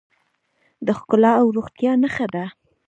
د ښکلا او روغتیا نښه ده.